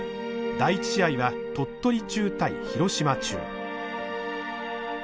第１試合は鳥取中対廣島中。